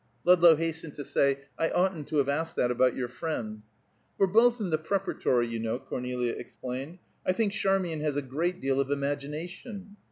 Ludlow hastened to say, "I oughtn't to have asked that about your friend." "We're both in the Preparatory, you know," Cornelia explained. "I think Charmian has a great deal of imagination."